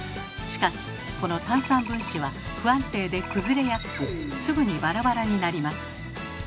しかしこの炭酸分子は不安定で崩れやすくすぐにバラバラになります。